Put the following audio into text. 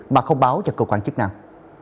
mà không báo cho cục quản chức năng